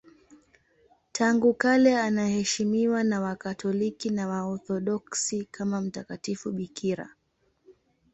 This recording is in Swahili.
Tangu kale anaheshimiwa na Wakatoliki na Waorthodoksi kama mtakatifu bikira.